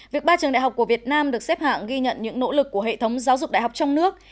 việc ba trường đại học của việt nam được xếp hạng ghi nhận những nỗ lực của hệ thống giáo dục đại học trong nước